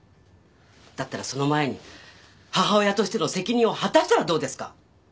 だったらその前に母親としての責任を果たしたらどうですか？